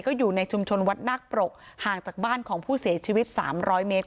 ก็อยู่ในชุมชนวัดนาคปรกห่างจากบ้านของผู้เสียชีวิต๓๐๐เมตร